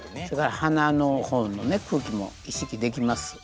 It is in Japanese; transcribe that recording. それから鼻の方のね空気も意識できます。